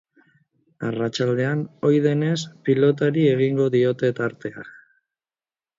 Arratsaldean, ohi denez, pilotari egingo diote tartea.